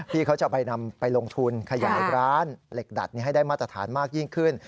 เขาจะเอาไปนำไปลงทุนขยายร้านเหล็กดัดให้ได้มาตรฐานมากยิ่งขึ้น